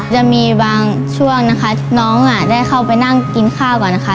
จะมีบางช่วงนะคะน้องได้เข้าไปนั่งกินข้าวก่อนนะคะ